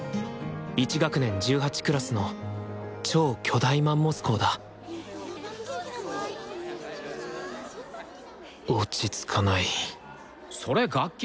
１学年１８クラスの超巨大マンモス校だ落ち着かないそれ楽器？